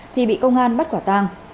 thì bị công an bắt quả tàng